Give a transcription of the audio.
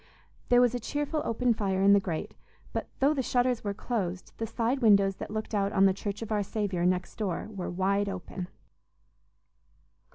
There was a cheerful open fire in the grate, but though the shutters were closed, the side windows that looked out on the Church of our Saviour, next door, were wide open.